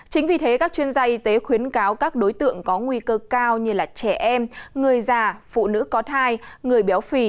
chính vì thế các chuyên gia y tế khuyến cáo các đối tượng có nguy cơ cao như trẻ em người già phụ nữ có thai người béo phì